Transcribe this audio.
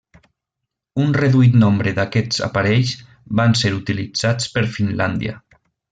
Un reduït nombre d'aquests aparells van ser utilitzats per Finlàndia.